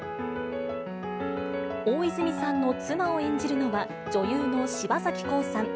大泉さんの妻を演じるのは女優の柴咲コウさん。